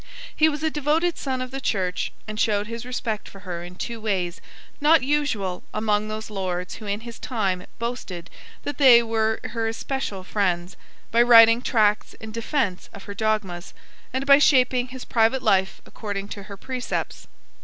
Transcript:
He was a devoted son of the Church, and showed his respect for her in two ways not usual among those Lords who in his time boasted that they were her especial friends, by writing tracts in defence of her dogmas, and by shaping his private life according to her precepts.